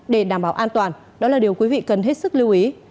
để đảm bảo an toàn đó là điều quý vị cần hết sức lưu ý